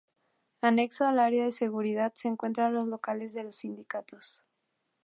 Anexo al área de seguridad, se encuentran los locales de los Sindicatos.